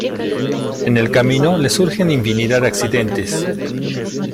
En el camino le surgen infinidad de accidentes.